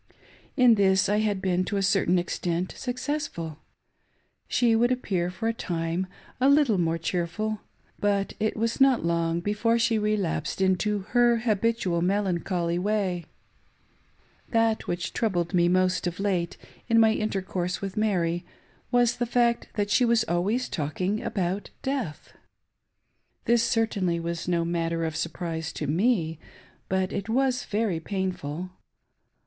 In this I had been to a certain extent successful. She would appear for a tipie a little more cheerful, but it was not long before she relapsed into her habitual melancholy way. PAINFUL QUESTIONS, 567 That which troubled me most of late, in my intercourse with Mary, was the fact that she was always talking about death. This certainly was no matter of surprise to me, but it was very painful.